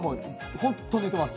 本当に寝てます。